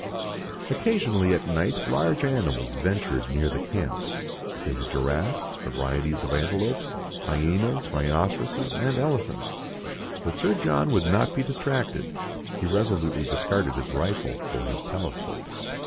Occasionally at night large animals ventured near the camp ; there were giraffes, varieties of antelopes, hyenas, rhinoceroses, and elephants. But Sir John would not be distracted, he resolutely discarded his rifle for his telescope.